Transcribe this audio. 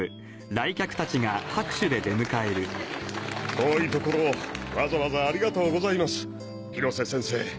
遠い所をわざわざありがとうございます広瀬先生。